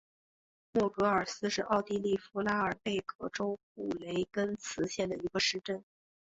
默格尔斯是奥地利福拉尔贝格州布雷根茨县的一个市镇。